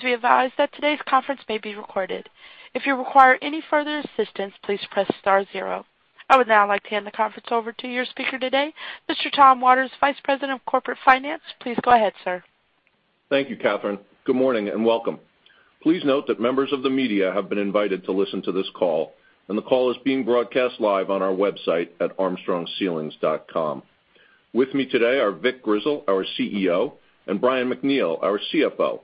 Please be advised that today's conference may be recorded. If you require any further assistance, please press star zero. I would now like to hand the conference over to your speaker today, Mr. Tom Waters, Vice President of Corporate Finance. Please go ahead, sir. Thank you, Catherine. Good morning and welcome. Please note that members of the media have been invited to listen to this call, and the call is being broadcast live on our website at armstrongceilings.com. With me today are Vic Grizzle, our CEO, and Brian MacNeal, our CFO.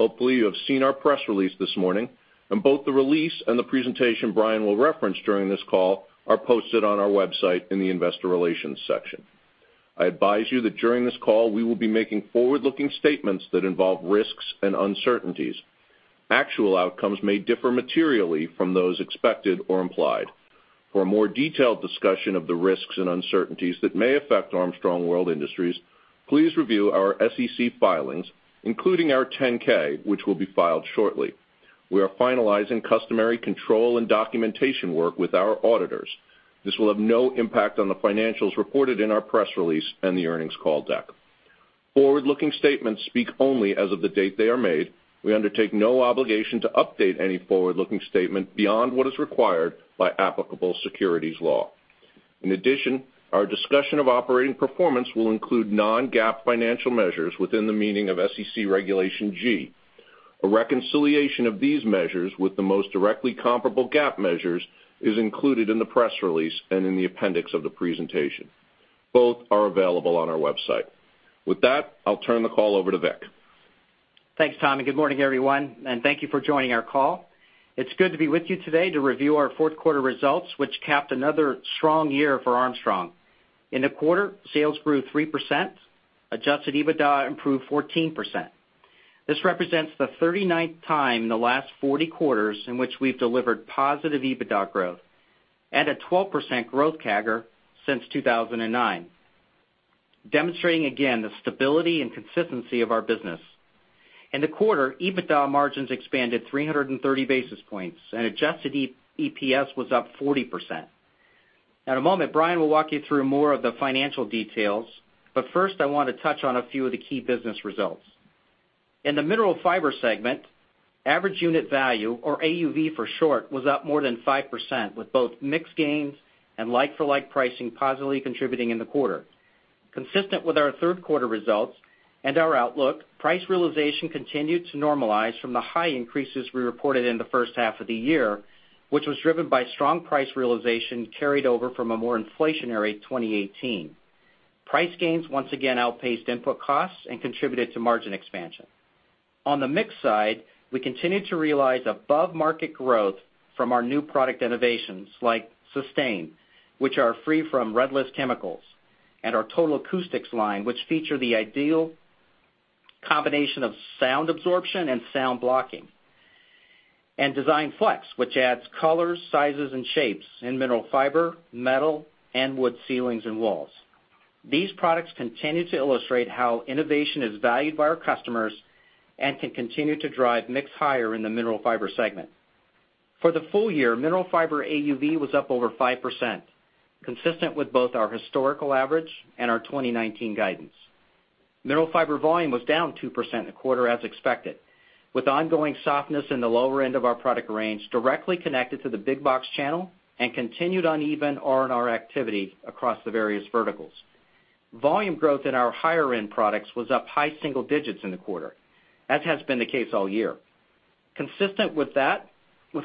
Hopefully, you have seen our press release this morning, and both the release and the presentation Brian will reference during this call are posted on our website in the investor relations section. I advise you that during this call, we will be making forward-looking statements that involve risks and uncertainties. Actual outcomes may differ materially from those expected or implied. For a more detailed discussion of the risks and uncertainties that may affect Armstrong World Industries, please review our SEC filings, including our 10-K, which will be filed shortly. We are finalizing customary control and documentation work with our auditors. This will have no impact on the financials reported in our press release and the earnings call deck. Forward-looking statements speak only as of the date they are made. We undertake no obligation to update any forward-looking statement beyond what is required by applicable securities law. In addition, our discussion of operating performance will include non-GAAP financial measures within the meaning of SEC Regulation G. A reconciliation of these measures with the most directly comparable GAAP measures is included in the press release and in the appendix of the presentation. Both are available on our website. With that, I'll turn the call over to Vic. Thanks, Tom, and good morning, everyone, and thank you for joining our call. It's good to be with you today to review our fourth quarter results, which capped another strong year for Armstrong. In the quarter, sales grew 3%. Adjusted EBITDA improved 14%. This represents the 39th time in the last 40 quarters in which we've delivered positive EBITDA growth and a 12% growth CAGR since 2009, demonstrating again the stability and consistency of our business. In the quarter, EBITDA margins expanded 330 basis points, and adjusted EPS was up 40%. In a moment, Brian will walk you through more of the financial details. First, I want to touch on a few of the key business results. In the Mineral Fiber segment, average unit value, or AUV for short, was up more than 5% with both mix gains and like-for-like pricing positively contributing in the quarter. Consistent with our third quarter results and our outlook, price realization continued to normalize from the high increases we reported in the first half of the year, which was driven by strong price realization carried over from a more inflationary 2018. Price gains once again outpaced input costs and contributed to margin expansion. On the mix side, we continued to realize above-market growth from our new product innovations like SUSTAIN, which are free from Red List chemicals, and our TOTAL ACOUSTICS line, which feature the ideal combination of sound absorption and sound blocking. DESIGNFLEX, which adds colors, sizes, and shapes in mineral fiber, metal, and wood ceilings and walls. These products continue to illustrate how innovation is valued by our customers and can continue to drive mix higher in the Mineral Fiber segment. For the full year, Mineral Fiber AUV was up over 5%, consistent with both our historical average and our 2019 guidance. Mineral Fiber volume was down 2% in the quarter as expected, with ongoing softness in the lower end of our product range directly connected to the big box channel and continued uneven R&R activity across the various verticals. Volume growth in our higher-end products was up high single digits in the quarter, as has been the case all year. Consistent with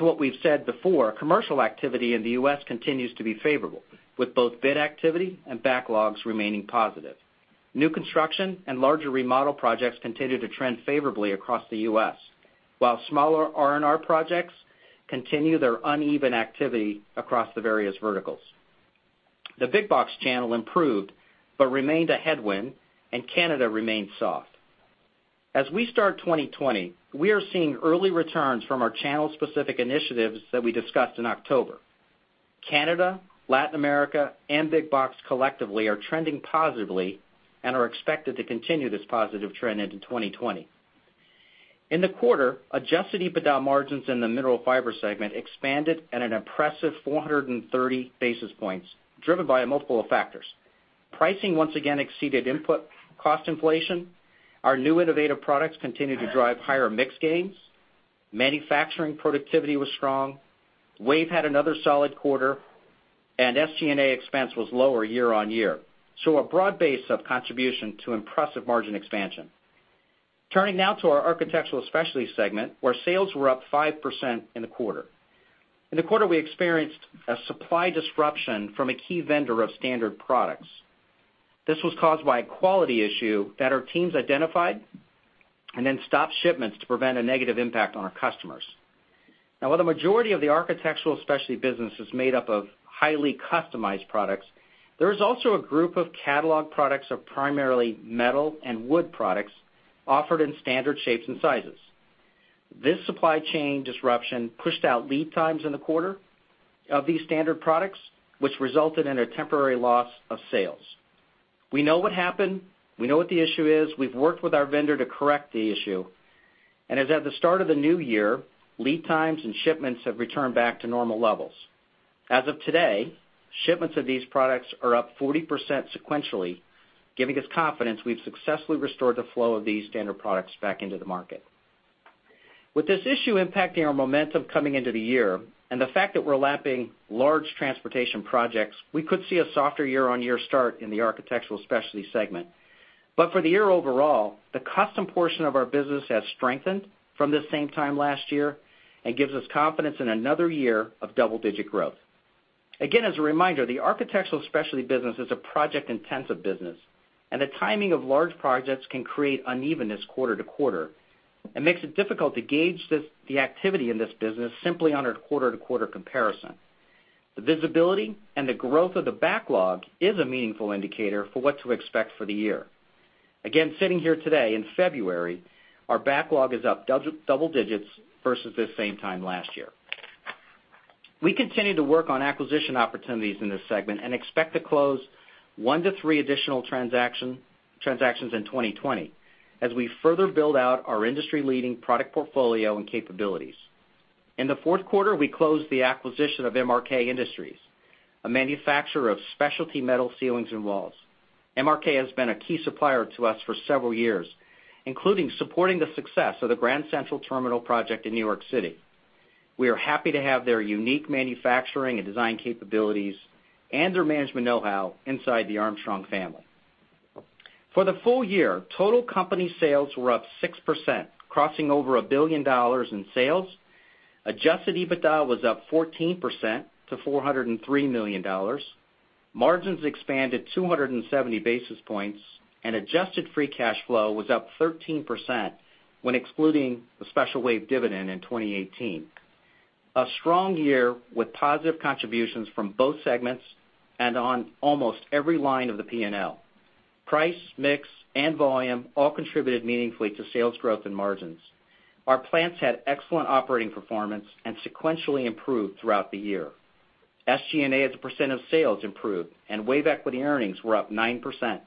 what we've said before, commercial activity in the U.S. continues to be favorable, with both bid activity and backlogs remaining positive. New construction and larger remodel projects continue to trend favorably across the U.S., while smaller R&R projects continue their uneven activity across the various verticals. The big box channel improved but remained a headwind, and Canada remained soft. As we start 2020, we are seeing early returns from our channel-specific initiatives that we discussed in October. Canada, Latin America, and big box collectively are trending positively and are expected to continue this positive trend into 2020. In the quarter, adjusted EBITDA margins in the Mineral Fiber segment expanded at an impressive 430 basis points, driven by a multiple of factors. Pricing once again exceeded input cost inflation. Our new innovative products continued to drive higher mix gains. Manufacturing productivity was strong. WAVE had another solid quarter, and SG&A expense was lower year-on-year. A broad base of contribution to impressive margin expansion. Turning now to our Architectural Specialties segment, where sales were up 5% in the quarter. In the quarter, we experienced a supply disruption from a key vendor of standard products. This was caused by a quality issue that our teams identified and then stopped shipments to prevent a negative impact on our customers. While the majority of the Architectural Specialties business is made up of highly customized products, there is also a group of catalog products of primarily metal and wood products offered in standard shapes and sizes. This supply chain disruption pushed out lead times in the quarter of these standard products, which resulted in a temporary loss of sales. We know what happened. We know what the issue is. We've worked with our vendor to correct the issue, and as at the start of the new year, lead times and shipments have returned back to normal levels. As of today, shipments of these products are up 40% sequentially, giving us confidence we've successfully restored the flow of these standard products back into the market. With this issue impacting our momentum coming into the year, and the fact that we're lapping large transportation projects, we could see a softer year-on-year start in the Architectural Specialties segment. For the year overall, the custom portion of our business has strengthened from this same time last year and gives us confidence in another year of double-digit growth. As a reminder, the Architectural Specialties business is a project-intensive business, and the timing of large projects can create unevenness quarter-to-quarter and makes it difficult to gauge the activity in this business simply on a quarter-to-quarter comparison. The visibility and the growth of the backlog is a meaningful indicator for what to expect for the year. Sitting here today in February, our backlog is up double digits versus this same time last year. We continue to work on acquisition opportunities in this segment and expect to close one to three additional transactions in 2020 as we further build out our industry-leading product portfolio and capabilities. In the fourth quarter, we closed the acquisition of MRK Industries, a manufacturer of specialty metal ceilings and walls. MRK has been a key supplier to us for several years, including supporting the success of the Grand Central Terminal project in New York City. We are happy to have their unique manufacturing and design capabilities and their management know-how inside the Armstrong family. For the full year, total company sales were up 6%, crossing over $1 billion in sales. Adjusted EBITDA was up 14% to $403 million. Margins expanded 270 basis points, and adjusted free cash flow was up 13% when excluding the special WAVE dividend in 2018. A strong year with positive contributions from both segments and on almost every line of the P&L. Price, mix, and volume all contributed meaningfully to sales growth and margins. Our plants had excellent operating performance and sequentially improved throughout the year. SG&A as a percent of sales improved, and WAVE equity earnings were up 9%.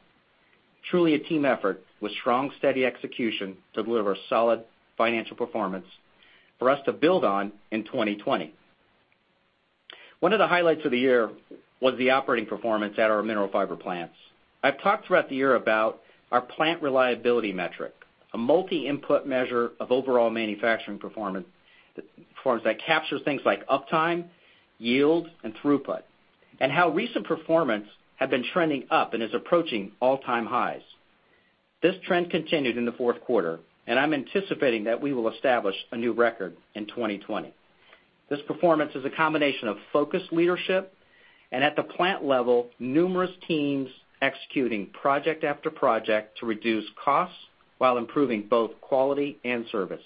Truly a team effort with strong, steady execution to deliver solid financial performance for us to build on in 2020. One of the highlights of the year was the operating performance at our Mineral Fiber plants. I've talked throughout the year about our plant reliability metric, a multi-input measure of overall manufacturing performance that captures things like uptime, yield, and throughput, and how recent performance had been trending up and is approaching all-time highs. This trend continued in the fourth quarter. I'm anticipating that we will establish a new record in 2020. This performance is a combination of focused leadership and, at the plant level, numerous teams executing project after project to reduce costs while improving both quality and service.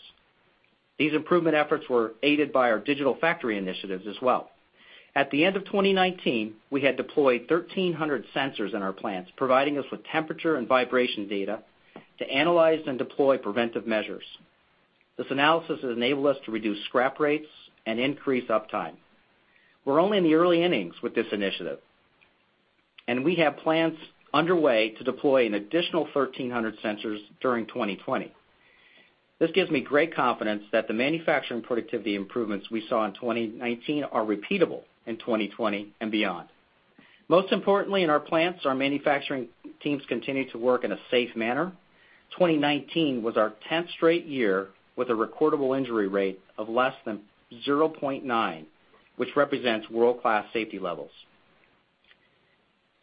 These improvement efforts were aided by our digital factory initiatives as well. At the end of 2019, we had deployed 1,300 sensors in our plants, providing us with temperature and vibration data to analyze and deploy preventive measures. This analysis has enabled us to reduce scrap rates and increase uptime. We're only in the early innings with this initiative, and we have plans underway to deploy an additional 1,300 sensors during 2020. This gives me great confidence that the manufacturing productivity improvements we saw in 2019 are repeatable in 2020 and beyond. Most importantly, in our plants, our manufacturing teams continue to work in a safe manner. 2019 was our 10th straight year with a recordable injury rate of less than 0.9, which represents world-class safety levels.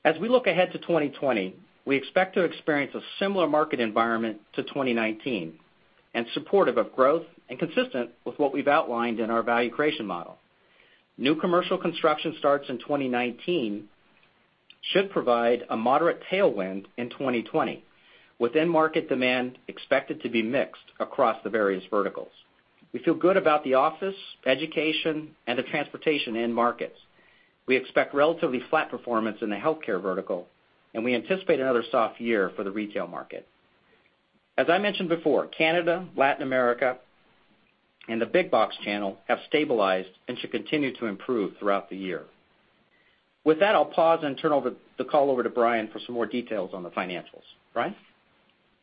As we look ahead to 2020, we expect to experience a similar market environment to 2019, and supportive of growth and consistent with what we've outlined in our value creation model. New commercial construction starts in 2019 should provide a moderate tailwind in 2020, with end market demand expected to be mixed across the various verticals. We feel good about the office, education, and the transportation end markets. We expect relatively flat performance in the healthcare vertical, and we anticipate another soft year for the retail market. As I mentioned before, Canada, Latin America, and the big box channel have stabilized and should continue to improve throughout the year. With that, I'll pause and turn the call over to Brian for some more details on the financials. Brian?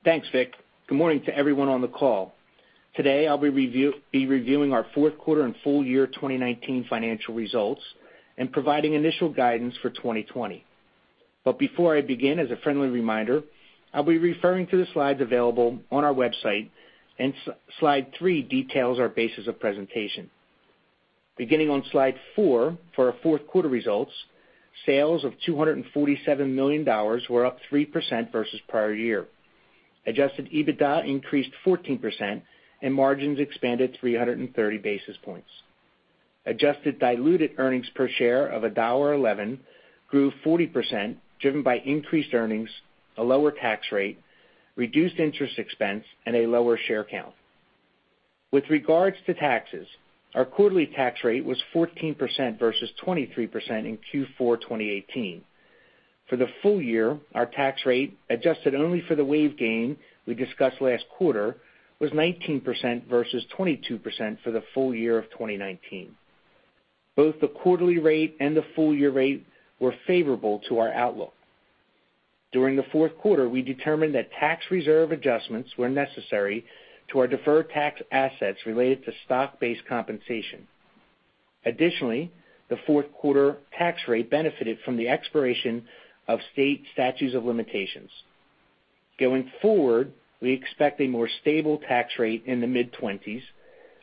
Thanks, Vic. Good morning to everyone on the call. Today, I'll be reviewing our fourth quarter and full year 2019 financial results and providing initial guidance for 2020. Before I begin, as a friendly reminder, I'll be referring to the slides available on our website. Slide three details our basis of presentation. Beginning on slide four, for our fourth quarter results, sales of $247 million were up 3% versus prior year. Adjusted EBITDA increased 14%, and margins expanded 330 basis points. Adjusted diluted earnings per share of $1.11 grew 40%, driven by increased earnings, a lower tax rate, reduced interest expense, and a lower share count. With regards to taxes, our quarterly tax rate was 14% versus 23% in Q4 2018. For the full year, our tax rate, adjusted only for the WAVE gain we discussed last quarter, was 19% versus 22% for the full year of 2019. Both the quarterly rate and the full-year rate were favorable to our outlook. During the fourth quarter, we determined that tax reserve adjustments were necessary to our deferred tax assets related to stock-based compensation. Additionally, the fourth quarter tax rate benefited from the expiration of state statutes of limitations. Going forward, we expect a more stable tax rate in the mid-20%,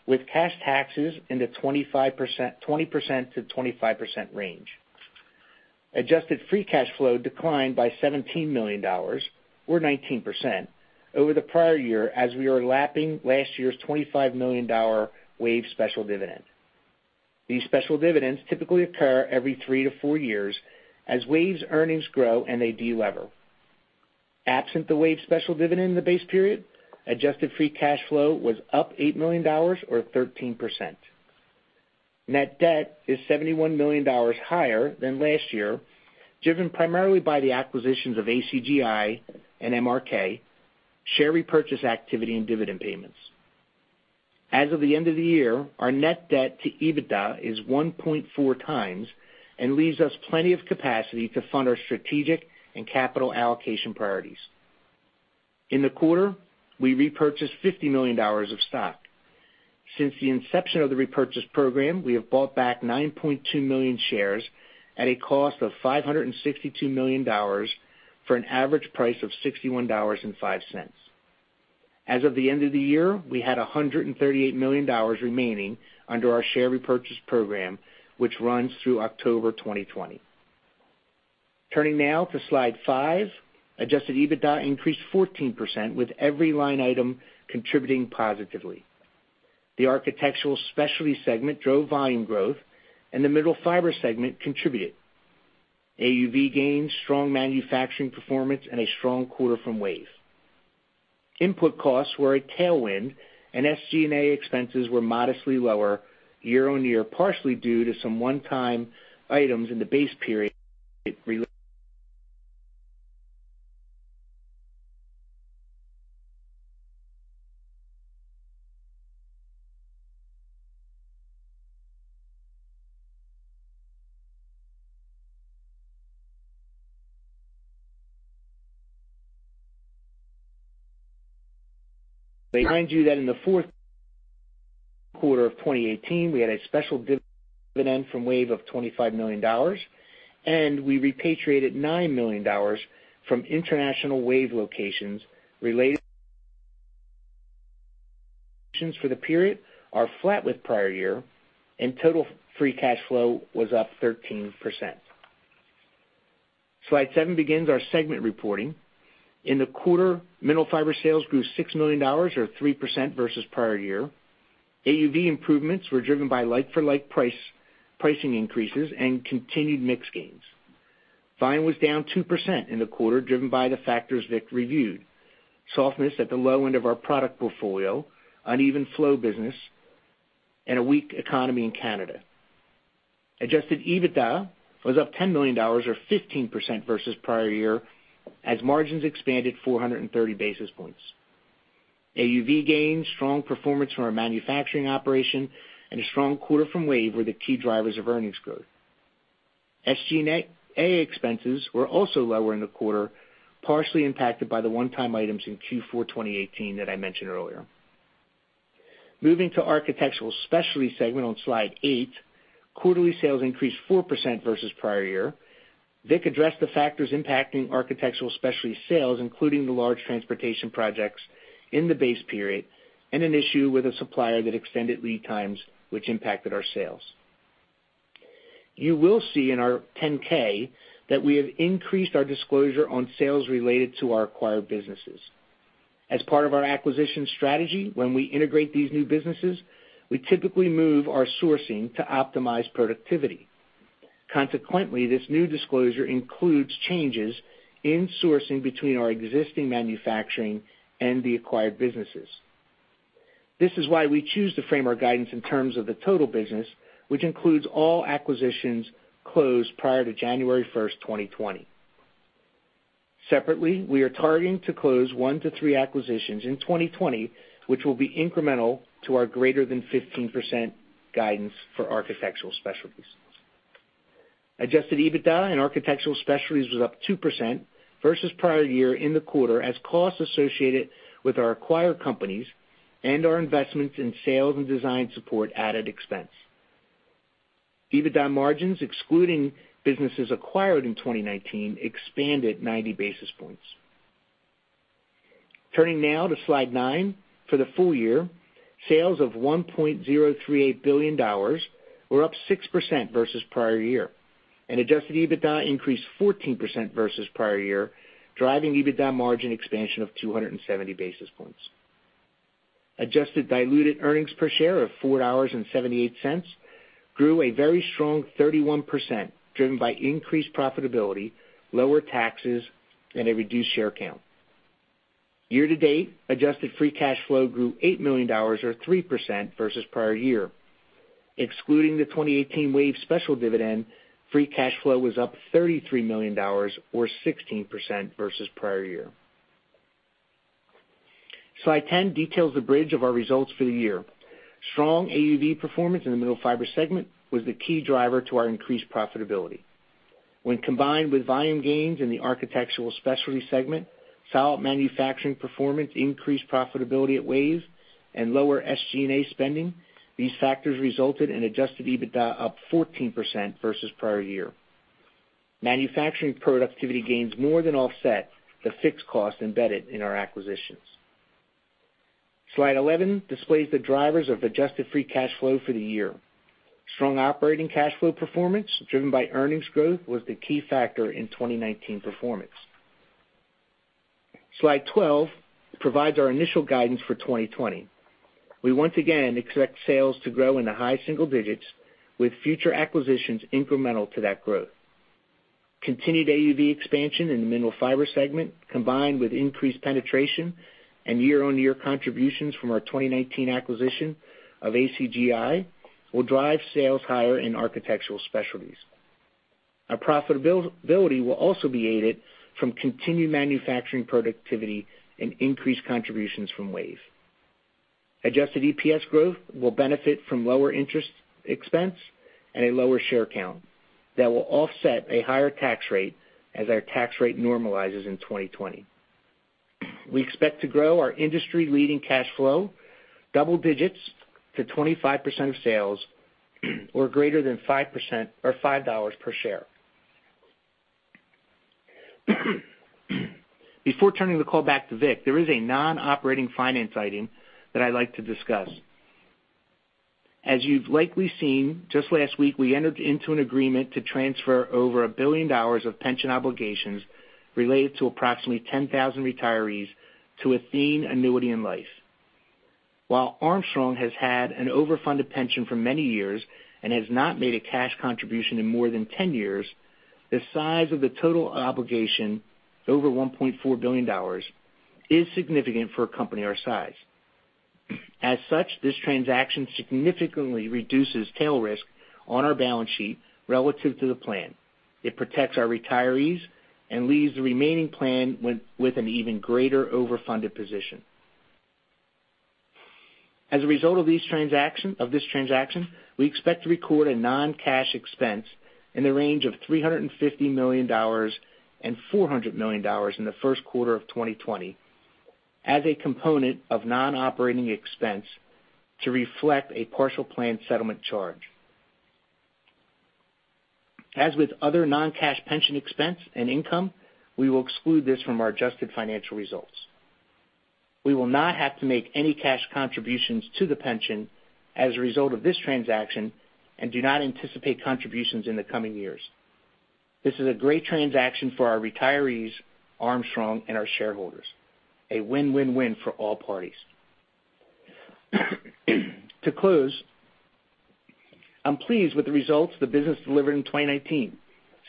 with cash taxes in the 20%-25% range. Adjusted free cash flow declined by $17 million, or 19%, over the prior year, as we are lapping last year's $25 million WAVE special dividend. These special dividends typically occur every three to four years as WAVE's earnings grow and they delever. Absent the WAVE special dividend in the base period, adjusted free cash flow was up $8 million or 13%. Net debt is $71 million higher than last year, driven primarily by the acquisitions of ACGI and MRK, share repurchase activity, and dividend payments. As of the end of the year, our net debt to EBITDA is 1.4x and leaves us plenty of capacity to fund our strategic and capital allocation priorities. In the quarter, we repurchased $50 million of stock. Since the inception of the repurchase program, we have bought back 9.2 million shares at a cost of $562 million, for an average price of $61.05. As of the end of the year, we had $138 million remaining under our share repurchase program, which runs through October 2020. Turning now to slide five, adjusted EBITDA increased 14%, with every line item contributing positively. The Architectural Specialties segment drove volume growth and the Mineral Fiber segment contributed AUV gains, strong manufacturing performance, and a strong quarter from WAVE. Input costs were a tailwind, and SG&A expenses were modestly lower year-on-year, partially due to some one-time items in the base period related. Remind you that in the fourth quarter of 2018, we had a special dividend from WAVE of $25 million, and we repatriated $9 million from international WAVE locations, related for the period are flat with prior year, and total free cash flow was up 13%. Slide seven begins our segment reporting. In the quarter, Mineral Fiber sales grew $6 million or 3% versus prior year. AUV improvements were driven by like-for-like pricing increases and continued mix gains. Volume was down 2% in the quarter, driven by the factors Vic reviewed: softness at the low end of our product portfolio, uneven flow business, and a weak economy in Canada. Adjusted EBITDA was up $10 million or 15% versus prior year as margins expanded 430 basis points. AUV gains, strong performance from our manufacturing operation, and a strong quarter from WAVE were the key drivers of earnings growth. SG&A expenses were also lower in the quarter, partially impacted by the one-time items in Q4 2018 that I mentioned earlier. Moving to Architectural Specialties segment on slide eight, quarterly sales increased 4% versus prior year. Vic addressed the factors impacting Architectural Specialties sales, including the large transportation projects in the base period and an issue with a supplier that extended lead times, which impacted our sales. You will see in our 10-K that we have increased our disclosure on sales related to our acquired businesses. As part of our acquisition strategy, when we integrate these new businesses, we typically move our sourcing to optimize productivity. Consequently, this new disclosure includes changes in sourcing between our existing manufacturing and the acquired businesses. This is why we choose to frame our guidance in terms of the total business, which includes all acquisitions closed prior to January 1st, 2020. Separately, we are targeting to close one to three acquisitions in 2020, which will be incremental to our greater than 15% guidance for Architectural Specialties. Adjusted EBITDA in Architectural Specialties was up 2% versus prior year in the quarter, as costs associated with our acquired companies and our investments in sales and design support added expense. EBITDA margins, excluding businesses acquired in 2019, expanded 90 basis points. Turning now to slide nine. For the full year, sales of $1.038 billion were up 6% versus prior year, and adjusted EBITDA increased 14% versus prior year, driving EBITDA margin expansion of 270 basis points. Adjusted diluted earnings per share of $4.78 grew a very strong 31%, driven by increased profitability, lower taxes, and a reduced share count. Year to date, adjusted free cash flow grew $8 million, or 3%, versus prior year. Excluding the 2018 WAVE special dividend, free cash flow was up $33 million, or 16%, versus prior year. Slide 10 details the bridge of our results for the year. Strong AUV performance in the Mineral Fiber segment was the key driver to our increased profitability. When combined with volume gains in the Architectural Specialties segment, solid manufacturing performance, increased profitability at WAVE, and lower SG&A spending, these factors resulted in adjusted EBITDA up 14% versus prior year. Manufacturing productivity gains more than offset the fixed costs embedded in our acquisitions. Slide 11 displays the drivers of adjusted free cash flow for the year. Strong operating cash flow performance, driven by earnings growth, was the key factor in 2019 performance. Slide 12 provides our initial guidance for 2020. We once again expect sales to grow in the high single digits, with future acquisitions incremental to that growth. Continued AUV expansion in the Mineral Fiber segment, combined with increased penetration and year-over-year contributions from our 2019 acquisition of ACGI, will drive sales higher in Architectural Specialties. Our profitability will also be aided from continued manufacturing productivity and increased contributions from WAVE. Adjusted EPS growth will benefit from lower interest expense and a lower share count that will offset a higher tax rate as our tax rate normalizes in 2020. We expect to grow our industry-leading cash flow double digits to 25% of sales or greater than 5% or $5 per share. Before turning the call back to Vic, there is a non-operating finance item that I'd like to discuss. You've likely seen, just last week, we entered into an agreement to transfer over $1 billion of pension obligations related to approximately 10,000 retirees to Athene Annuity & Life. While Armstrong has had an overfunded pension for many years and has not made a cash contribution in more than 10 years, the size of the total obligation, over $1.4 billion, is significant for a company our size. This transaction significantly reduces tail risk on our balance sheet relative to the plan. It protects our retirees and leaves the remaining plan with an even greater overfunded position. As a result of this transaction, we expect to record a non-cash expense in the range of $350 million and $400 million in the first quarter of 2020 as a component of non-operating expense to reflect a partial plan settlement charge. As with other non-cash pension expense and income, we will exclude this from our adjusted financial results. We will not have to make any cash contributions to the pension as a result of this transaction, and do not anticipate contributions in the coming years. This is a great transaction for our retirees, Armstrong, and our shareholders. A win-win-win for all parties. To close, I'm pleased with the results the business delivered in 2019.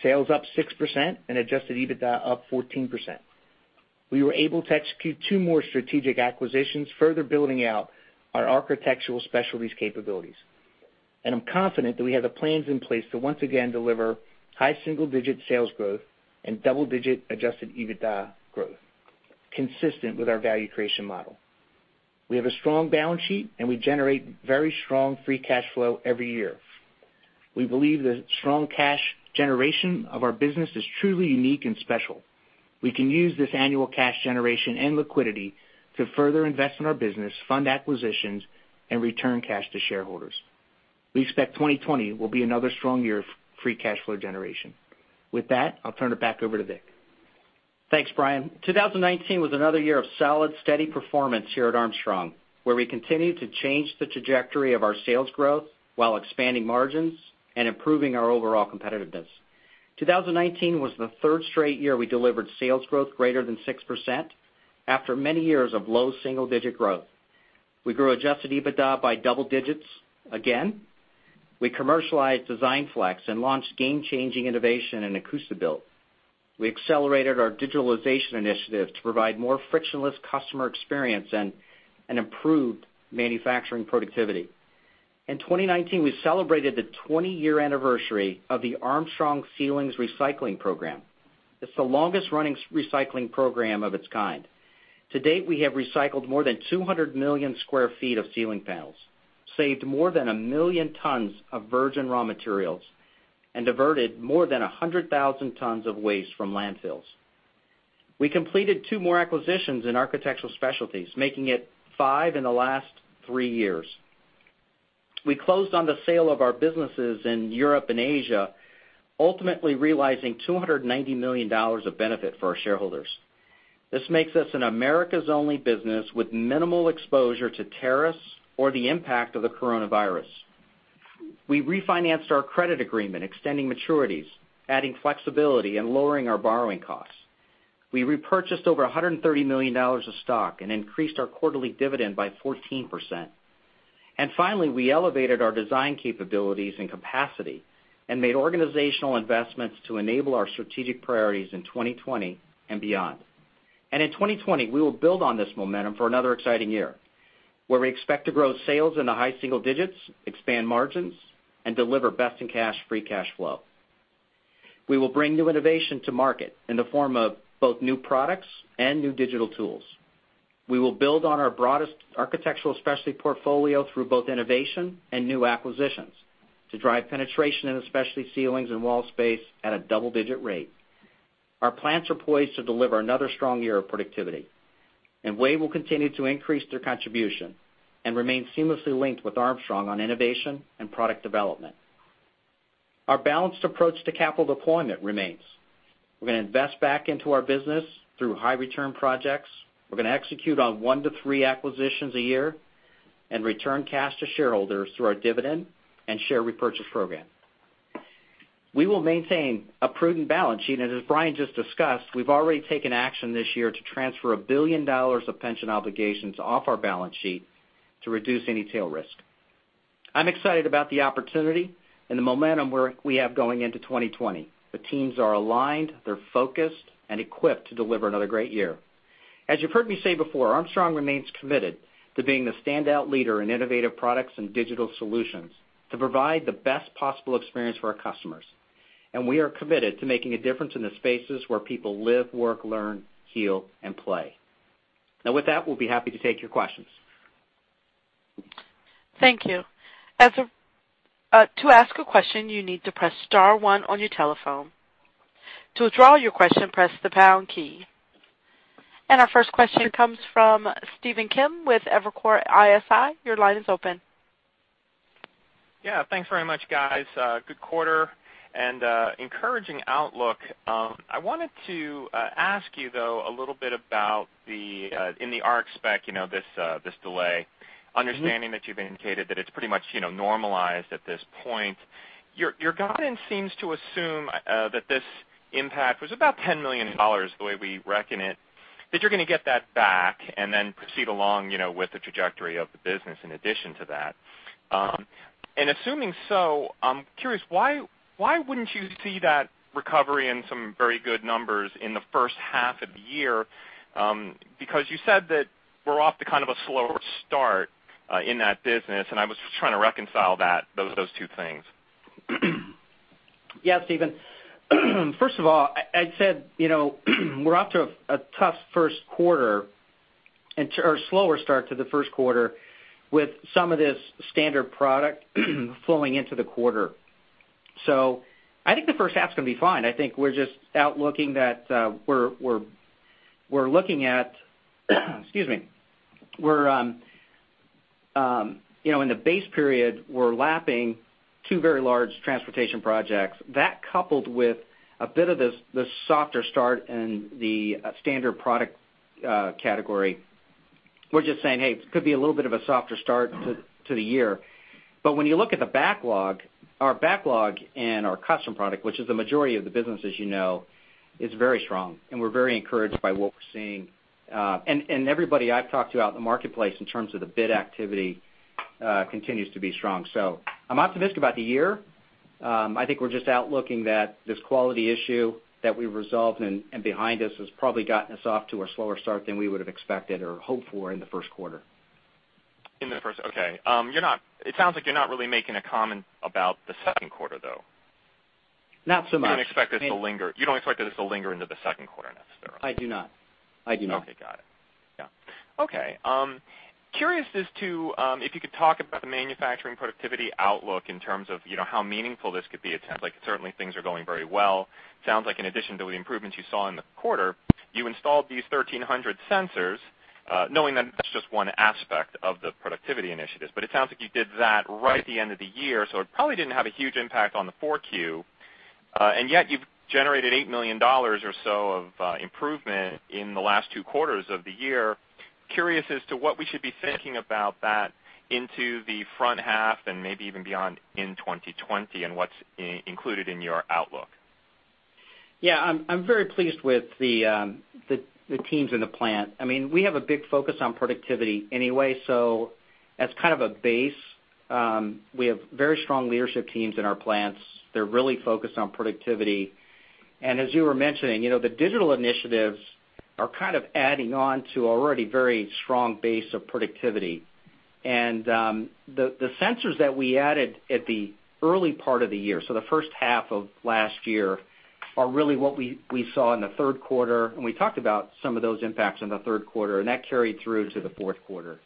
Sales up 6% and adjusted EBITDA up 14%. We were able to execute two more strategic acquisitions, further building out our Architectural Specialties capabilities. I'm confident that we have the plans in place to once again deliver high single-digit sales growth and double-digit adjusted EBITDA growth, consistent with our value creation model. We have a strong balance sheet, and we generate very strong free cash flow every year. We believe the strong cash generation of our business is truly unique and special. We can use this annual cash generation and liquidity to further invest in our business, fund acquisitions, and return cash to shareholders. We expect 2020 will be another strong year of free cash flow generation. With that, I'll turn it back over to Vic. Thanks, Brian. 2019 was another year of solid, steady performance here at Armstrong, where we continued to change the trajectory of our sales growth while expanding margins and improving our overall competitiveness. 2019 was the third straight year we delivered sales growth greater than 6% after many years of low single-digit growth. We grew adjusted EBITDA by double digits again. We commercialized DESIGNFLEX and launched game-changing innovation in ACOUSTIBUILT. We accelerated our digitalization initiatives to provide more frictionless customer experience and improved manufacturing productivity. In 2019, we celebrated the 20-year anniversary of the Armstrong Ceilings Recycling Program. It's the longest-running recycling program of its kind. To date, we have recycled more than 200 million square feet of ceiling panels, saved more than 1 million tons of virgin raw materials, and diverted more than 100,000 tons of waste from landfills. We completed two more acquisitions in Architectural Specialties, making it five in the last three years. We closed on the sale of our businesses in Europe and Asia, ultimately realizing $290 million of benefit for our shareholders. This makes us an Americas-only business with minimal exposure to tariffs or the impact of the coronavirus. We refinanced our credit agreement, extending maturities, adding flexibility, and lowering our borrowing costs. We repurchased over $130 million of stock and increased our quarterly dividend by 14%. Finally, we elevated our design capabilities and capacity and made organizational investments to enable our strategic priorities in 2020 and beyond. In 2020, we will build on this momentum for another exciting year where we expect to grow sales in the high single digits, expand margins, and deliver best-in-cash free cash flow. We will bring new innovation to market in the form of both new products and new digital tools. We will build on our broadest Architectural Specialties portfolio through both innovation and new acquisitions to drive penetration in the specialty ceilings and wall space at a double-digit rate. Our plants are poised to deliver another strong year of productivity. WAVE will continue to increase their contribution and remain seamlessly linked with Armstrong on innovation and product development. Our balanced approach to capital deployment remains. We're going to invest back into our business through high-return projects. We're going to execute on one to three acquisitions a year and return cash to shareholders through our dividend and share repurchase program. We will maintain a prudent balance sheet. As Brian just discussed, we've already taken action this year to transfer $1 billion of pension obligations off our balance sheet to reduce any tail risk. I'm excited about the opportunity and the momentum we have going into 2020. The teams are aligned, they're focused and equipped to deliver another great year. As you've heard me say before, Armstrong remains committed to being the standout leader in innovative products and digital solutions to provide the best possible experience for our customers. We are committed to making a difference in the spaces where people live, work, learn, heal, and play. With that, we'll be happy to take your questions. Thank you. To ask a question, you need to press star one on your telephone. To withdraw your question, press the pound key. Our first question comes from Stephen Kim with Evercore ISI. Your line is open. Yeah. Thanks very much, guys. Good quarter and encouraging outlook. I wanted to ask you, though, a little bit about in the Arch Spec, this delay. Understanding that you've indicated that it's pretty much normalized at this point. Your guidance seems to assume that this impact was about $10 million, the way we reckon it, that you're going to get that back, and then proceed along with the trajectory of the business in addition to that. Assuming so, I'm curious, why wouldn't you see that recovery in some very good numbers in the first half of the year? You said that we're off to kind of a slower start in that business, and I was just trying to reconcile those two things. Yeah, Stephen. First of all, I'd said, we're off to a tough first quarter. A slower start to the first quarter, with some of this standard product flowing into the quarter. I think the first half's going to be fine. I think we're just out looking at, excuse me, in the base period, we're lapping two very large transportation projects. That, coupled with a bit of this softer start in the standard product category, we're just saying, hey, this could be a little bit of a softer start to the year. When you look at the backlog, our backlog and our custom product, which is the majority of the business, as you know, is very strong, and we're very encouraged by what we're seeing. Everybody I've talked to out in the marketplace in terms of the bid activity continues to be strong. I'm optimistic about the year. I think we're just out looking that this quality issue that we resolved and behind us has probably gotten us off to a slower start than we would've expected or hoped for in the first quarter. In the first. Okay. It sounds like you're not really making a comment about the second quarter, though. Not so much. You don't expect this to linger into the second quarter necessarily. I do not. Okay. Got it. Yeah. Okay. Curious as to if you could talk about the manufacturing productivity outlook in terms of how meaningful this could be. It sounds like certainly things are going very well. It sounds like in addition to the improvements you saw in the quarter, you installed these 1,300 sensors, knowing that that's just one aspect of the productivity initiatives. It sounds like you did that right at the end of the year, so it probably didn't have a huge impact on the 4Q, and yet you've generated $8 million or so of improvement in the last two quarters of the year. Curious as to what we should be thinking about that into the front half and maybe even beyond in 2020, and what's included in your outlook? Yeah. I am very pleased with the teams in the plant. We have a big focus on productivity anyway, so as kind of a base, we have very strong leadership teams in our plants. They are really focused on productivity. As you were mentioning, the digital initiatives are kind of adding on to already very strong base of productivity. The sensors that we added at the early part of the year, so the first half of last year, are really what we saw in the third quarter, and we talked about some of those impacts in the third quarter, and that carried through to the fourth quarter.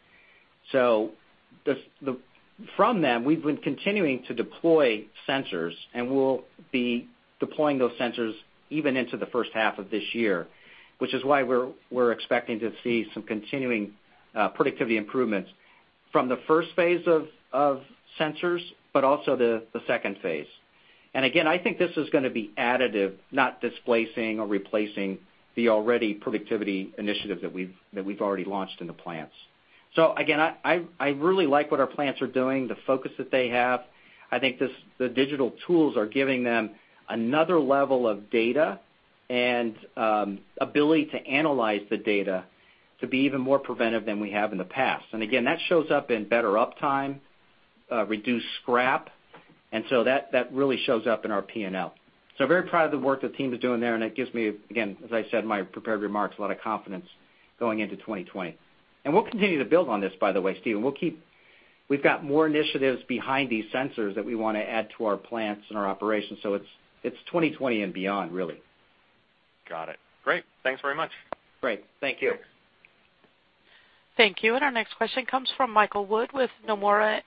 From them, we've been continuing to deploy sensors, and we'll be deploying those sensors even into the first half of this year, which is why we're expecting to see some continuing productivity improvements from the first phase of sensors, but also the second phase. Again, I think this is going to be additive, not displacing or replacing the already productivity initiative that we've already launched in the plants. Again, I really like what our plants are doing, the focus that they have. I think the digital tools are giving them another level of data and ability to analyze the data to be even more preventive than we have in the past. Again, that shows up in better uptime, reduced scrap, and so that really shows up in our P&L. Very proud of the work the team is doing there, and it gives me, again, as I said in my prepared remarks, a lot of confidence going into 2020. We'll continue to build on this, by the way, Stephen. We've got more initiatives behind these sensors that we want to add to our plants and our operations. It's 2020 and beyond, really. Got it. Great. Thanks very much. Great. Thank you. Thank you. Our next question comes from Michael Wood with Nomura.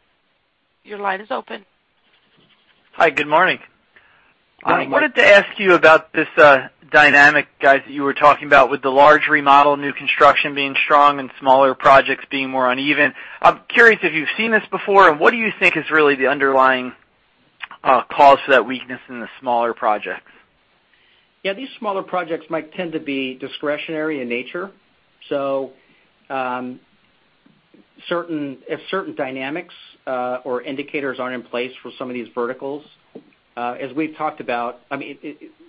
Your line is open. Hi, good morning. Good morning, Mike. I wanted to ask you about this dynamic, guys, that you were talking about with the large remodel, new construction being strong and smaller projects being more uneven. I'm curious if you've seen this before, and what do you think is really the underlying cause for that weakness in the smaller projects? Yeah, these smaller projects might tend to be discretionary in nature. If certain dynamics or indicators aren't in place for some of these verticals, as we've talked about,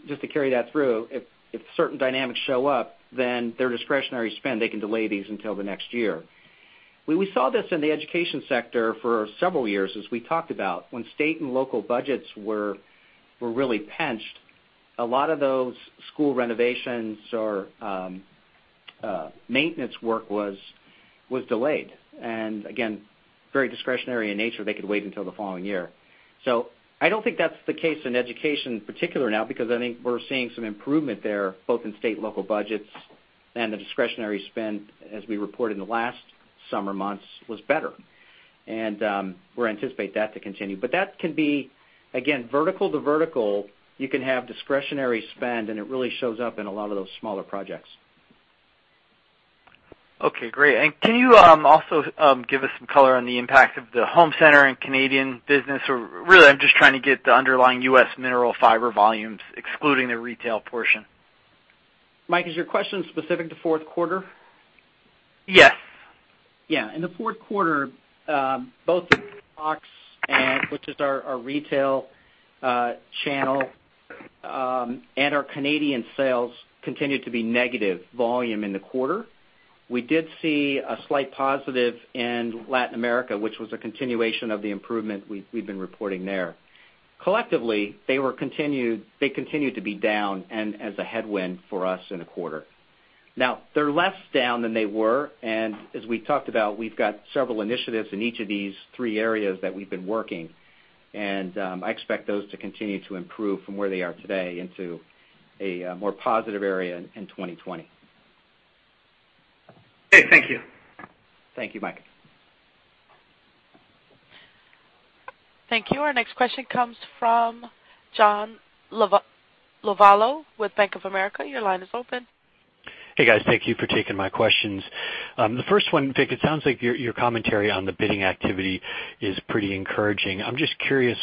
just to carry that through, if certain dynamics show up, then they're discretionary spend, they can delay these until the next year. We saw this in the education sector for several years, as we talked about. When state and local budgets were really pinched, a lot of those school renovations or maintenance work was delayed. Again, very discretionary in nature, they could wait until the following year. I don't think that's the case in education in particular now, because I think we're seeing some improvement there, both in state and local budgets and the discretionary spend, as we reported in the last summer months, was better. We anticipate that to continue. That can be, again, vertical to vertical, you can have discretionary spend, and it really shows up in a lot of those smaller projects. Okay, great. Can you also give us some color on the impact of the home center and Canadian business? Or really, I'm just trying to get the underlying U.S. Mineral Fiber volumes, excluding the retail portion. Mike, is your question specific to fourth quarter? Yes. Yeah. In the fourth quarter, both ACS, which is our retail channel, and our Canadian sales continued to be negative volume in the quarter. We did see a slight positive in Latin America, which was a continuation of the improvement we've been reporting there. Collectively, they continued to be down and as a headwind for us in a quarter. They're less down than they were, and as we talked about, we've got several initiatives in each of these three areas that we've been working. I expect those to continue to improve from where they are today into a more positive area in 2020. Okay, thank you. Thank you, Mike. Thank you. Our next question comes from John Lovallo with Bank of America. Your line is open. Hey, guys. Thank you for taking my questions. The first one, Vic, it sounds like your commentary on the bidding activity is pretty encouraging. I'm just curious,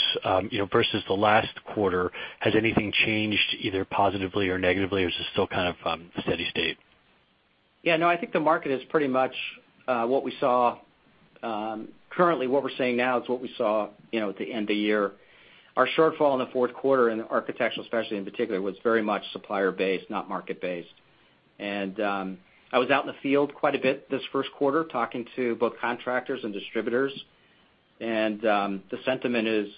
versus the last quarter, has anything changed either positively or negatively, or is it still kind of steady state? Yeah, no, I think the market is pretty much what we saw. Currently, what we're seeing now is what we saw at the end of the year. Our shortfall in the fourth quarter in Architectural Specialties in particular, was very much supplier-based, not market-based. I was out in the field quite a bit this first quarter talking to both contractors and distributors, and the sentiment is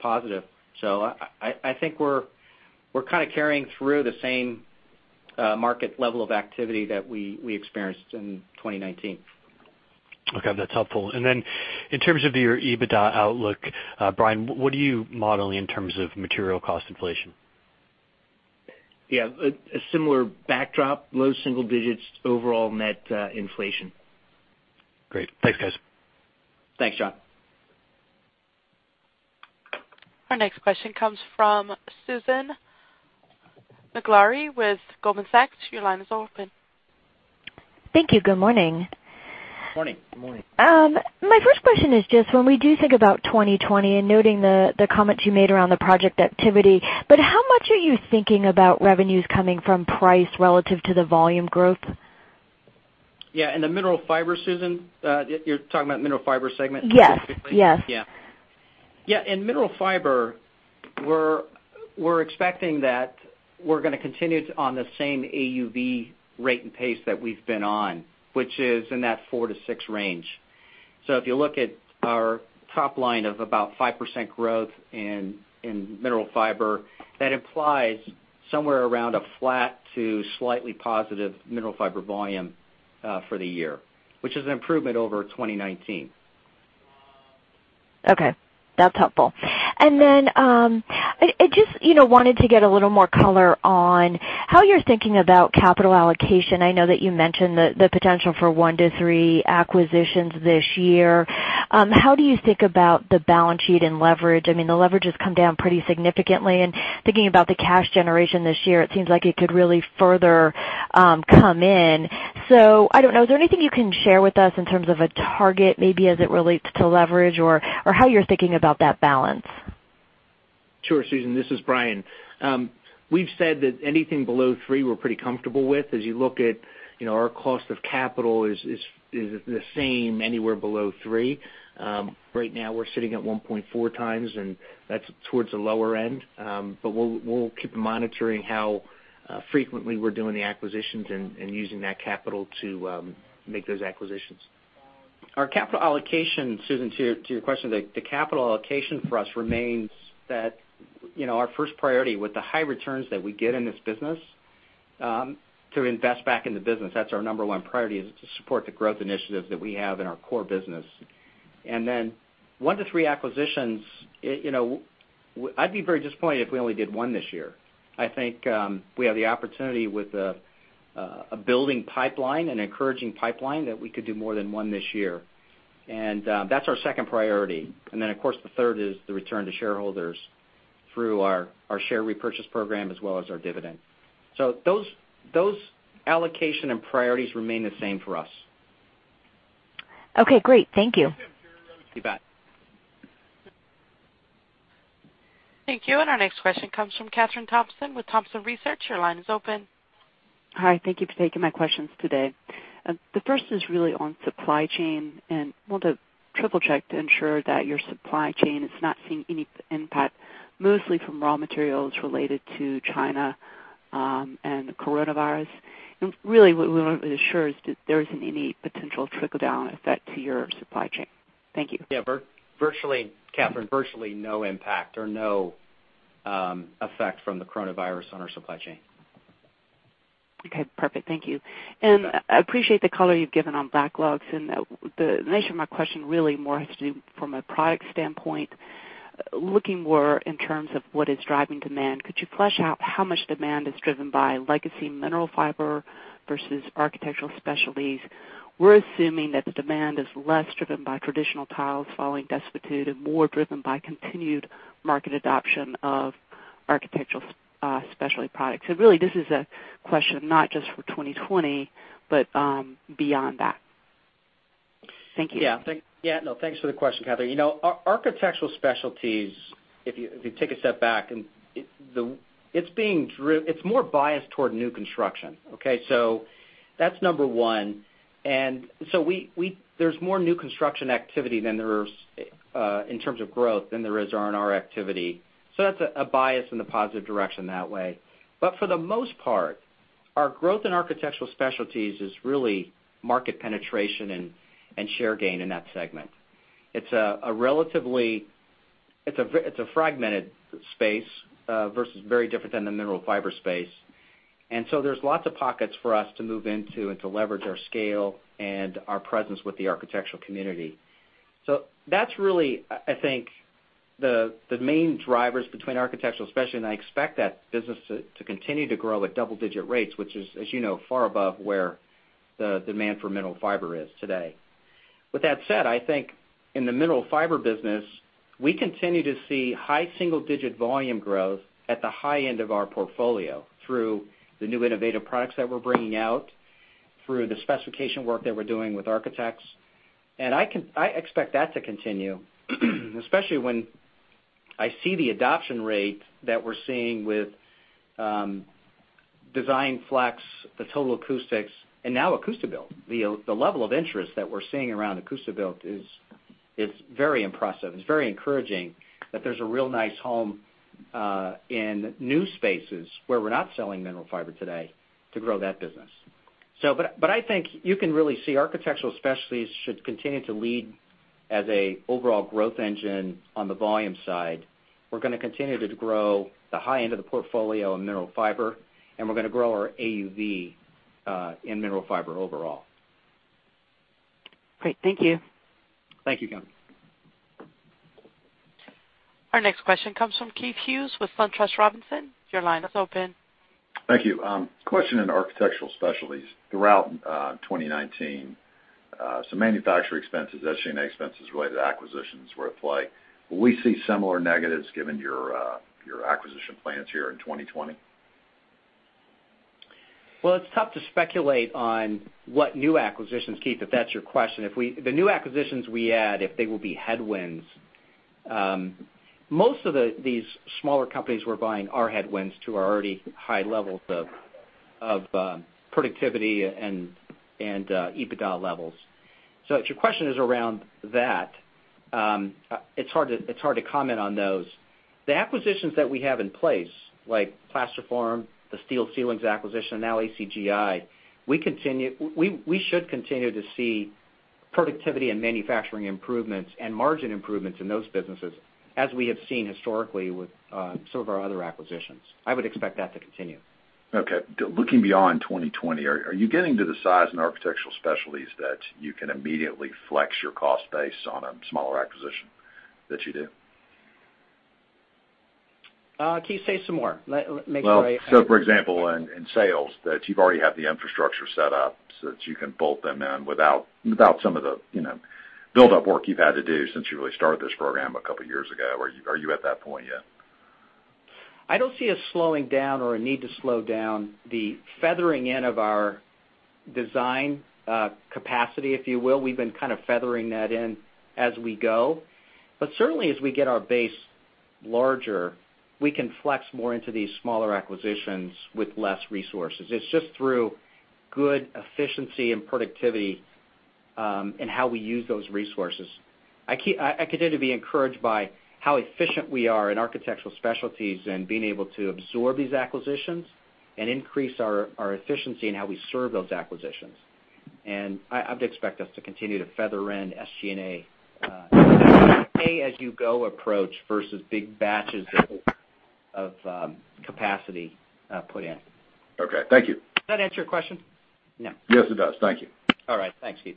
positive. I think we're kind of carrying through the same market level of activity that we experienced in 2019. Okay, that's helpful. In terms of your EBITDA outlook, Brian, what are you modeling in terms of material cost inflation? Yeah, a similar backdrop, low single digits overall net inflation. Great. Thanks, guys. Thanks, John. Our next question comes from Susan Maklari with Goldman Sachs. Your line is open. Thank you. Good morning. Morning. Morning. My first question is just when we do think about 2020 and noting the comments you made around the project activity, but how much are you thinking about revenues coming from price relative to the volume growth? Yeah, in the Mineral Fiber, Susan? You're talking about Mineral Fiber segment specifically? Yes. Yeah. In Mineral Fiber, we're expecting that we're going to continue on the same AUV rate and pace that we've been on, which is in that 4%-6% range. If you look at our top line of about 5% growth in Mineral Fiber, that implies somewhere around a flat to slightly positive Mineral Fiber volume for the year, which is an improvement over 2019. Okay, that's helpful. I just wanted to get a little more color on how you're thinking about capital allocation. I know that you mentioned the potential for one to three acquisitions this year. How do you think about the balance sheet and leverage? The leverage has come down pretty significantly, and thinking about the cash generation this year, it seems like it could really further come in. I don't know, is there anything you can share with us in terms of a target, maybe as it relates to leverage or how you're thinking about that balance? Sure, Susan, this is Brian. We've said that anything below 3x we're pretty comfortable with. As you look at our cost of capital is the same anywhere below 3x. Right now we're sitting at 1.4x and that's towards the lower end. We'll keep monitoring how frequently we're doing the acquisitions and using that capital to make those acquisitions. Our capital allocation, Susan, to your question, the capital allocation for us remains that our first priority with the high returns that we get in this business to invest back in the business. That's our number one priority, is to support the growth initiatives that we have in our core business. One to three acquisitions, I'd be very disappointed if we only did one this year. I think we have the opportunity with a building pipeline, an encouraging pipeline, that we could do more than one this year. That's our second priority. Then, of course, the third is the return to shareholders through our share repurchase program as well as our dividend. Those allocation and priorities remain the same for us. Okay, great. Thank you. You bet. Thank you. Our next question comes from Kathryn Thompson with Thompson Research. Your line is open. Hi. Thank you for taking my questions today. The first is really on supply chain. I want to triple-check to ensure that your supply chain is not seeing any impact, mostly from raw materials related to China and the coronavirus. Really, what we want reassured is there isn't any potential trickle-down effect to your supply chain. Thank you. Yeah. Kathryn, virtually no impact or no effect from the coronavirus on our supply chain. Okay, perfect. Thank you. You bet. I appreciate the color you've given on backlogs and the nature of my question really more has to do from a product standpoint, looking more in terms of what is driving demand. Could you flesh out how much demand is driven by legacy Mineral Fiber versus Architectural Specialties? We're assuming that the demand is less driven by traditional tiles following desuetude and more driven by continued market adoption of Architectural Specialties products. Really this is a question not just for 2020, but beyond that. Thank you. No, thanks for the question, Kathryn. Architectural Specialties, if you take a step back, it's more biased toward new construction, okay? That's number one. There's more new construction activity in terms of growth than there is R&R activity. That's a bias in the positive direction that way. For the most part, our growth in Architectural Specialties is really market penetration and share gain in that segment. It's a fragmented space versus very different than the Mineral Fiber space. There's lots of pockets for us to move into and to leverage our scale and our presence with the architectural community. That's really, I think, the main drivers between Architectural Specialties, and I expect that business to continue to grow at double-digit rates, which is, as you know, far above where the demand for Mineral Fiber is today. With that said, I think in the Mineral Fiber business, we continue to see high single-digit volume growth at the high end of our portfolio through the new innovative products that we're bringing out, through the specification work that we're doing with architects. I expect that to continue, especially when I see the adoption rate that we're seeing with DESIGNFLEX, the TOTAL ACOUSTICS, and now ACOUSTIBUILT. The level of interest that we're seeing around ACOUSTIBUILT is very impressive. It's very encouraging that there's a real nice home in new spaces where we're not selling Mineral Fiber today to grow that business. I think you can really see Architectural Specialties should continue to lead as a overall growth engine on the volume side. We're going to continue to grow the high end of the portfolio in Mineral Fiber, and we're going to grow our AUV in Mineral Fiber overall. Great. Thank you. Thank you, Kathryn. Our next question comes from Keith Hughes with SunTrust Robinson. Your line is open. Thank you. Question on Architectural Specialties. Throughout 2019, some manufacturing expenses, SG&A expenses related to acquisitions were at play. Will we see similar negatives given your acquisition plans here in 2020? Well, it's tough to speculate on what new acquisitions, Keith, if that's your question. The new acquisitions we add, if they will be headwinds. Most of these smaller companies we're buying are headwinds to our already high levels of productivity and EBITDA levels. If your question is around that, it's hard to comment on those. The acquisitions that we have in place, like Plasterform, the Steel Ceilings acquisition, and now ACGI, we should continue to see productivity and manufacturing improvements and margin improvements in those businesses as we have seen historically with some of our other acquisitions. I would expect that to continue. Okay. Looking beyond 2020, are you getting to the size in Architectural Specialties that you can immediately flex your cost base on a smaller acquisition that you do? Keith, say some more. Make sure I understand. Well, for example, in sales, you've already had the infrastructure set up so that you can bolt them in without some of the buildup work you've had to do since you really started this program a couple of years ago. Are you at that point yet? I don't see a slowing down or a need to slow down the feathering in of our design capacity, if you will. We've been kind of feathering that in as we go. Certainly, as we get our base larger, we can flex more into these smaller acquisitions with less resources. It's just through good efficiency and productivity in how we use those resources. I continue to be encouraged by how efficient we are in Architectural Specialties and being able to absorb these acquisitions and increase our efficiency in how we serve those acquisitions. I'd expect us to continue to feather in SG&A, a pay-as-you-go approach versus big batches of capacity put in. Okay. Thank you. Does that answer your question? No. Yes, it does. Thank you. All right. Thanks, Keith.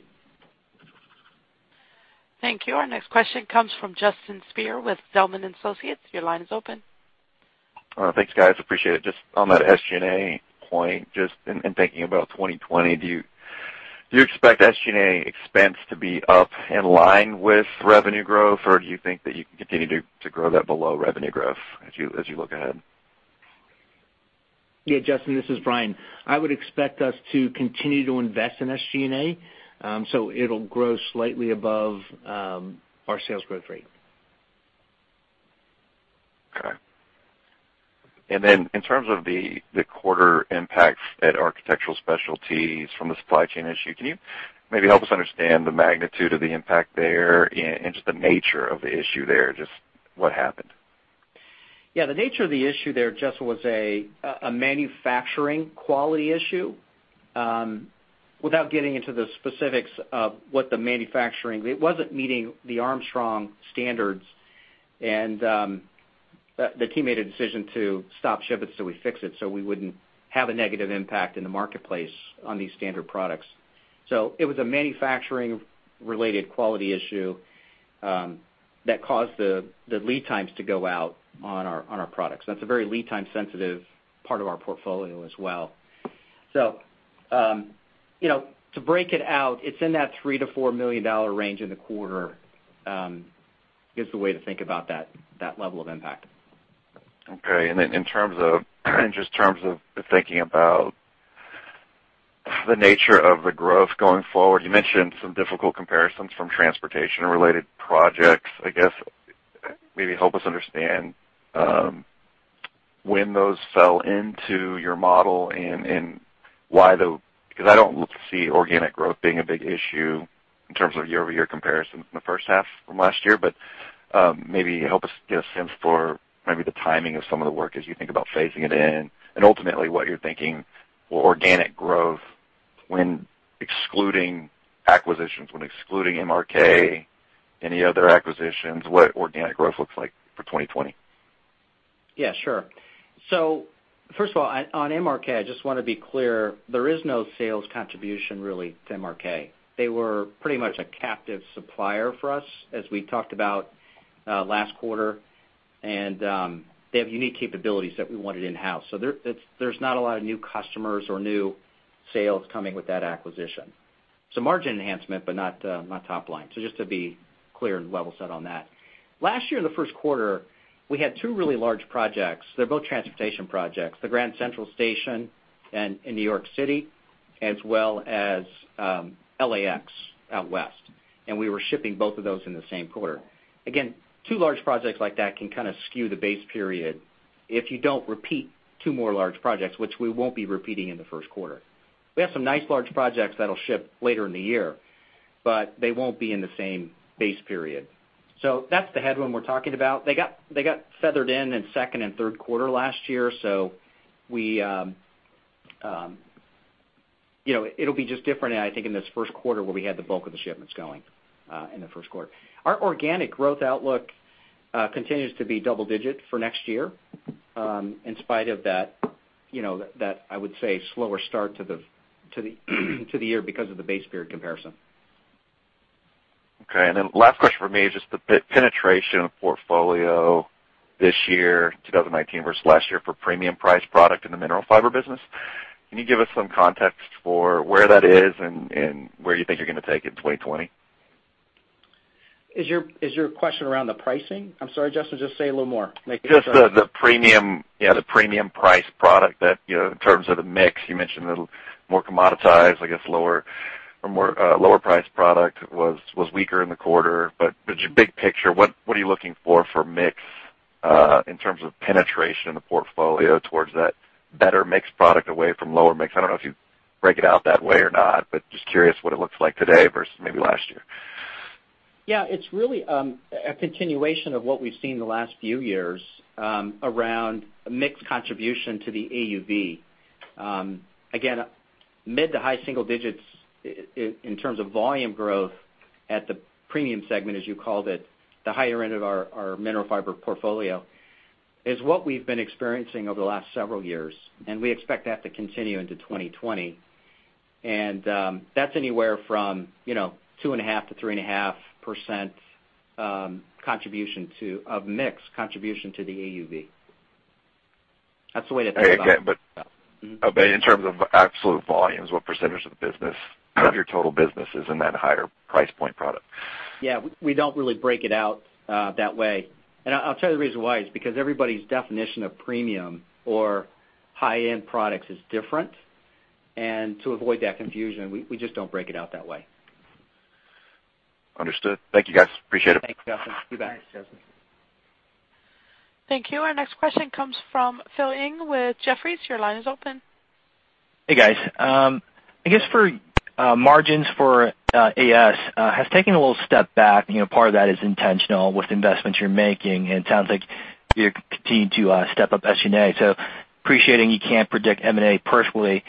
Thank you. Our next question comes from Justin Speer with Zelman & Associates. Your line is open. Thanks, guys. Appreciate it. Just on that SG&A point, just in thinking about 2020, do you expect SG&A expense to be up in line with revenue growth? Or do you think that you can continue to grow that below revenue growth as you look ahead? Yeah, Justin, this is Brian. I would expect us to continue to invest in SG&A, so it'll grow slightly above our sales growth rate. Okay. In terms of the quarter impacts at Architectural Specialties from the supply chain issue, can you maybe help us understand the magnitude of the impact there and just the nature of the issue there, just what happened? Yeah, the nature of the issue there, Justin, was a manufacturing quality issue. Without getting into the specifics, it wasn't meeting the Armstrong standards. And the team made a decision to stop shipments till we fix it so we wouldn't have a negative impact in the marketplace on these standard products. It was a manufacturing-related quality issue that caused the lead times to go out on our products. That's a very lead-time sensitive part of our portfolio as well. To break it out, it's in that $3 million-$4 million range in the quarter, is the way to think about that level of impact. Okay. Just in terms of thinking about the nature of the growth going forward, you mentioned some difficult comparisons from transportation-related projects. I guess, maybe help us understand when those fell into your model and why, because I don't see organic growth being a big issue in terms of year-over-year comparisons in the first half from last year. Maybe help us get a sense for maybe the timing of some of the work, as you think about phasing it in, and ultimately what you're thinking organic growth when excluding acquisitions, when excluding MRK, any other acquisitions, what organic growth looks like for 2020? Yeah, sure. First of all, on MRK, I just want to be clear, there is no sales contribution really to MRK. They were pretty much a captive supplier for us, as we talked about last quarter. They have unique capabilities that we wanted in-house. Margin enhancement, but not top line. Just to be clear and level set on that. Last year in the first quarter, we had two really large projects. They're both transportation projects, the Grand Central Station in New York City, as well as LAX out west. We were shipping both of those in the same quarter. Two large projects like that can kind of skew the base period if you don't repeat two more large projects, which we won't be repeating in the first quarter. We have some nice large projects that'll ship later in the year, but they won't be in the same base period. That's the headwind we're talking about. They got feathered in, in second and third quarter last year. It'll be just different, I think, in this first quarter, where we had the bulk of the shipments going in the first quarter. Our organic growth outlook continues to be double-digit for next year, in spite of that, I would say, slower start to the year because of the base period comparison. Okay. Last question from me is just the penetration of portfolio this year, 2019, versus last year for premium-priced product in the Mineral Fiber business. Can you give us some context for where that is and where you think you're going to take it in 2020? Is your question around the pricing? I'm sorry, Justin, just say a little more. Just the premium price product that, in terms of the mix, you mentioned a little more commoditized, I guess, lower-priced product was weaker in the quarter. Just big picture, what are you looking for mix in terms of penetration in the portfolio towards that better mix product away from lower mix? I don't know if you break it out that way or not, but just curious what it looks like today versus maybe last year. Yeah, it's really a continuation of what we've seen the last few years around mix contribution to the AUV. Again, mid to high single digits in terms of volume growth at the premium segment, as you called it, the higher end of our Mineral Fiber portfolio, is what we've been experiencing over the last several years, and we expect that to continue into 2020. That's anywhere from 2.5%-3.5% contribution of mix contribution to the AUV. That's the way to think about it. In terms of absolute volumes, what percentage of the business of your total business is in that higher price point product? Yeah, we don't really break it out that way. I'll tell you the reason why is because everybody's definition of premium or high-end products is different. To avoid that confusion, we just don't break it out that way. Understood. Thank you, guys. Appreciate it. Thanks, Justin. You bet. Thank you. Our next question comes from Phil Ng with Jefferies. Your line is open. Hey, guys. I guess for margins for AS has taken a little step back. Part of that is intentional with the investments you're making, and it sounds like you're continuing to step up SG&A. Appreciating you can't predict M&A perfectly,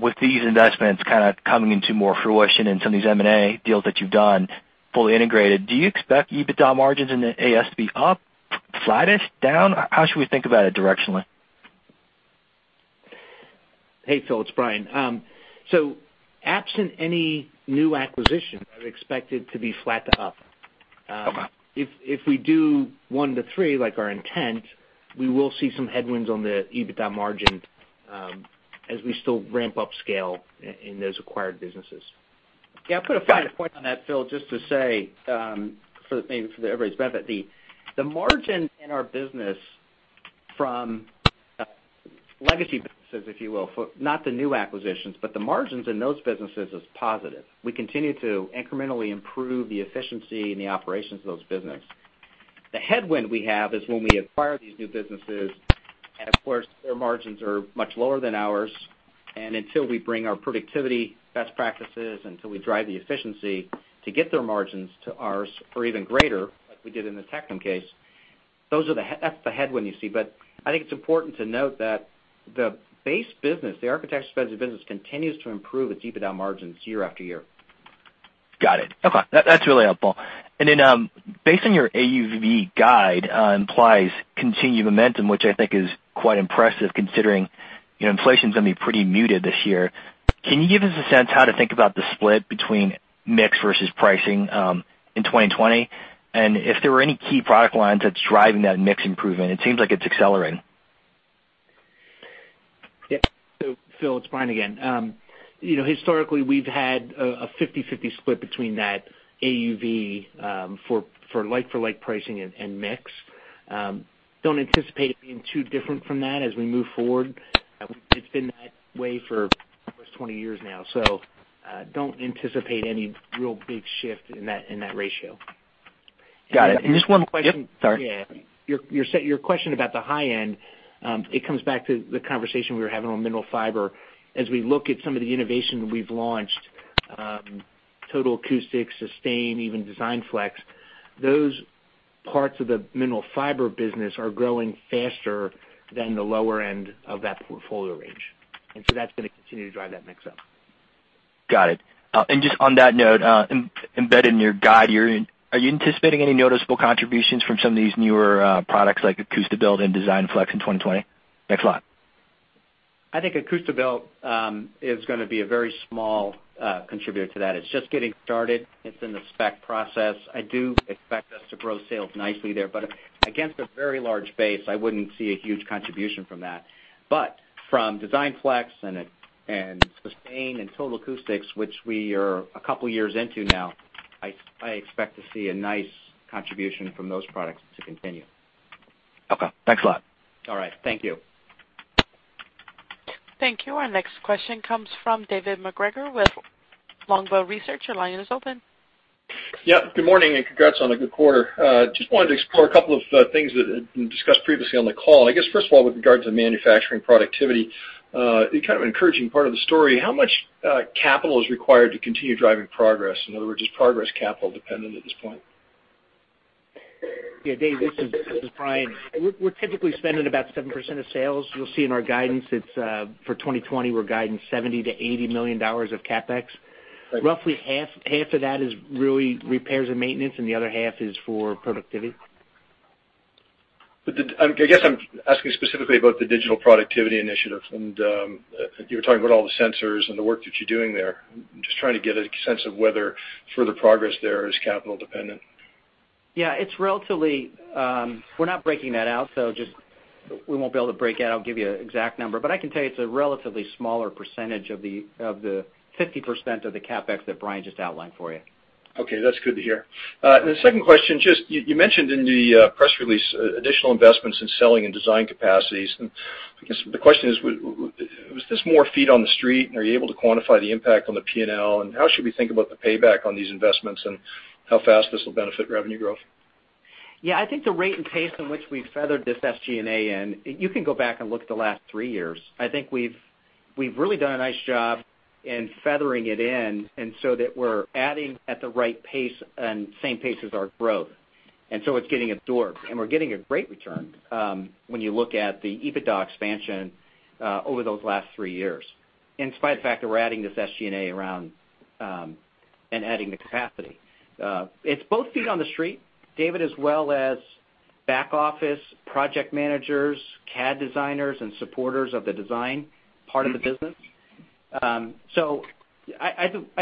with these investments kind of coming into more fruition and some of these M&A deals that you've done fully integrated, do you expect EBITDA margins in the AS to be up, flattish, down? How should we think about it directionally? Hey, Phil, it's Brian. Absent any new acquisition, I would expect it to be flat to up. Okay. If we do one to three, like our intent, we will see some headwinds on the EBITDA margin as we still ramp up scale in those acquired businesses. Yeah. I'll put a finer point on that, Phil, just to say, maybe for everybody's benefit, the margin in our business from legacy businesses, if you will, not the new acquisitions, but the margins in those businesses, is positive. We continue to incrementally improve the efficiency and the operations of those business. The headwind we have is when we acquire these new businesses, and of course, their margins are much lower than ours, and until we bring our productivity, best practices, until we drive the efficiency to get their margins to ours or even greater, like we did in the TECTUM case, that's the headwind you see. I think it's important to note that the base business, the Architectural Specialties business, continues to improve its EBITDA margins year after year. Got it. Okay. That's really helpful. Then, based on your AUV guide implies continued momentum, which I think is quite impressive, considering inflation's going to be pretty muted this year. Can you give us a sense how to think about the split between mix versus pricing in 2020? If there were any key product lines that's driving that mix improvement? It seems like it's accelerating. Yeah. Phil, it's Brian again. Historically, we've had a 50/50 split between that AUV for like-for-like pricing and mix. Don't anticipate it being too different from that as we move forward. It's been that way for almost 20 years now, so don't anticipate any real big shift in that ratio. Got it. Just one more question. Yep, sorry. Yeah. Your question about the high end, it comes back to the conversation we were having on Mineral Fiber. As we look at some of the innovation we've launched, TOTAL ACOUSTICS, SUSTAIN, even DESIGNFLEX, those parts of the Mineral Fiber business are growing faster than the lower end of that portfolio range. That's going to continue to drive that mix up. Got it. Just on that note, embedded in your guide, are you anticipating any noticeable contributions from some of these newer products, like ACOUSTIBUILT and DESIGNFLEX in 2020? Thanks a lot. I think ACOUSTIBUILT is going to be a very small contributor to that. It's just getting started. It's in the spec process. I do expect us to grow sales nicely there, but against a very large base, I wouldn't see a huge contribution from that. But from DESIGNFLEX and SUSTAIN and TOTAL ACOUSTICS, which we are a couple of years into now, I expect to see a nice contribution from those products to continue. Okay. Thanks a lot. All right. Thank you. Thank you. Our next question comes from David MacGregor with Longbow Research. Your line is open. Yeah. Good morning, and congrats on a good quarter. Just wanted to explore a couple of things that you discussed previously on the call. I guess first of all, with regards to manufacturing productivity, kind of encouraging part of the story, how much capital is required to continue driving progress? In other words, is progress capital dependent at this point? Yeah, Dave, this is Brian. We're typically spending about 7% of sales. You'll see in our guidance, for 2020, we're guiding $70 million-$80 million of CapEx. Roughly $35 million-$40 million of that is really repairs and maintenance, and the other $35 million-$40 million is for productivity. I guess I'm asking specifically about the Digital Productivity Initiative, and you were talking about all the sensors and the work that you're doing there. I'm just trying to get a sense of whether further progress there is capital dependent. Yeah, we're not breaking that out, so just we won't be able to break out. I'll give you an exact number, but I can tell you it's a relatively smaller percentage of the 50% of the CapEx that Brian just outlined for you. Okay. That's good to hear. The second question, just you mentioned in the press release, additional investments in selling and design capacities. I guess the question is, was this more feet on the street, and are you able to quantify the impact on the P&L, and how should we think about the payback on these investments, and how fast this will benefit revenue growth? Yeah. I think the rate and pace in which we feathered this SG&A in, you can go back and look at the last three years. I think we've really done a nice job in feathering it in, so that we're adding at the right pace and same pace as our growth. So it's getting absorbed. We're getting a great return when you look at the EBITDA expansion over those last three years, in spite of the fact that we're adding this SG&A around and adding the capacity. It's both feet on the street, David, as well as back office, project managers, CAD designers, and supporters of the design part of the business. I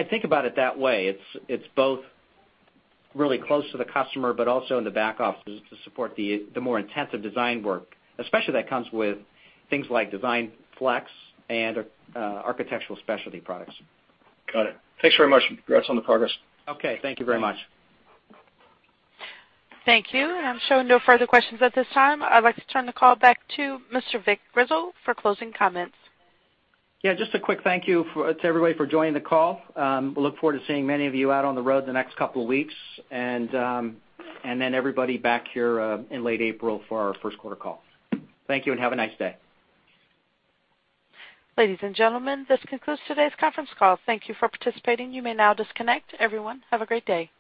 think about it that way. It's both really close to the customer, but also in the back office to support the more intensive design work, especially that comes with things like DESIGNFLEX and Architectural Specialties products. Got it. Thanks very much. Congrats on the progress. Okay. Thank you very much. Thank you. I'm showing no further questions at this time. I'd like to turn the call back to Mr. Vic Grizzle for closing comments. Yeah, just a quick thank you to everybody for joining the call. We look forward to seeing many of you out on the road the next couple of weeks, and then everybody back here in late April for our first quarter call. Thank you, and have a nice day. Ladies and gentlemen, this concludes today's conference call. Thank you for participating. You may now disconnect. Everyone, have a great day.